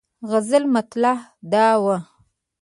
د غزل مطلع دا وه.